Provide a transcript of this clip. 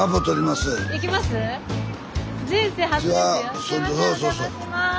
すいませんおじゃまします。